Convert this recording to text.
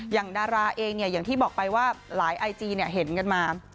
ดาราเองอย่างที่บอกไปว่าหลายไอจีเห็นกันมา